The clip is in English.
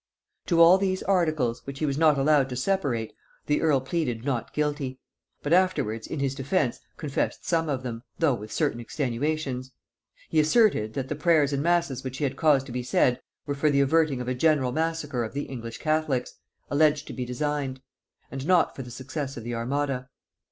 To all these articles, which he was not allowed to separate, the earl pleaded Not guilty; but afterwards, in his defence, confessed some of them, though with certain extenuations. He asserted, that the prayers and masses which he had caused to be said, were for the averting of a general massacre of the English catholics, alleged to be designed; and not for the success of the armada.